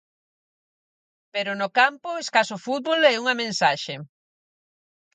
Pero no campo, escaso fútbol e unha mensaxe.